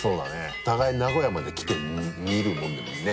お互いに名古屋まで来て見るものでもね。